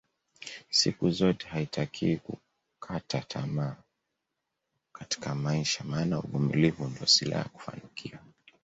Siku zote haitakiwi kukata tamaa Katika maisha maana uvumilivu ndio silaha ya kufanikiwa